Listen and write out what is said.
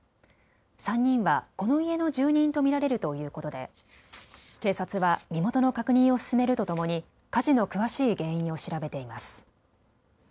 ３人はこの家の住人と見られるということで警察は身元の確認を進めるとともに火事の詳しい原因を調べています。